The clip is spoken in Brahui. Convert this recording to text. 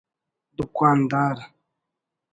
دکاندار